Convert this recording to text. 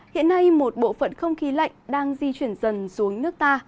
hiện nay một bộ phận không khí lạnh đang di chuyển dần xuống nước ta